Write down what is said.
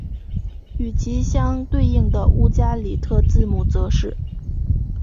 与其相对应的乌加里特字母则是。